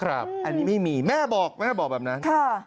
อันนี้ไม่มีแม่บอกแม่บอกแบบนั้น